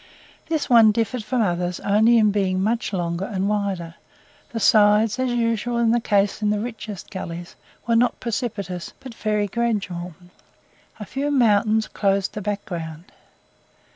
This one differed from others only in being much longer and wider; the sides, as is usually the case in the richest gullies, were not precipitous, but very gradual; a few mountains closed the background.